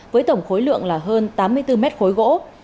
với tổng khối lượng là hơn tám mươi bốn mét khối gỗ